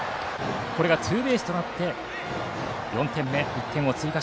これがツーベースとなり４点目、１点追加。